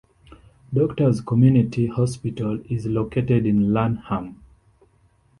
Doctors Community Hospital is located in Lanham.